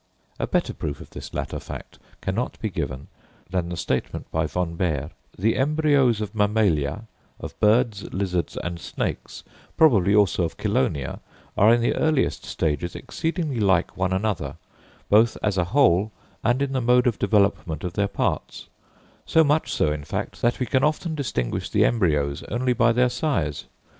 A better proof of this latter fact cannot be given than the statement by Von Baer that "the embryos of mammalia, of birds, lizards and snakes, probably also of chelonia, are in the earliest states exceedingly like one another, both as a whole and in the mode of development of their parts; so much so, in fact, that we can often distinguish the embryos only by their size.